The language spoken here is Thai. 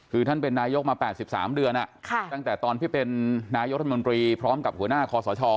คือท่านเป็นนายกมา๘๓เดือนตั้งแต่ตอนที่เป็นนายกรัฐมนตรีพร้อมกับหัวหน้าคอสช